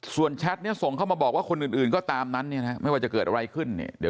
ส่วนแชตส์เนี่ยส่งเข้ามาบอกว่าคนอื่นก็ตามนั้นนี่ไหมว่าจะเกิดอะไรขึ้นเนี่ย